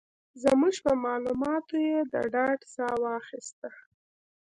زموږ په مالوماتو یې د ډاډ ساه واخيسته.